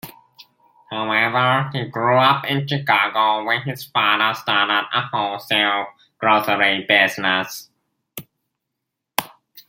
However, he grew up in Chicago where his father started a wholesale grocery business.